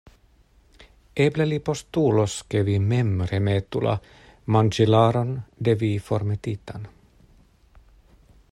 Eble li postulos, ke vi mem remetu la manĝilaron de vi formetitan.